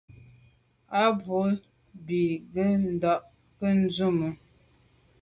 A bwô ndù be ghù ndà ke ndume.